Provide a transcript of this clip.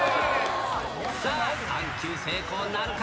さあ、３球成功なるか？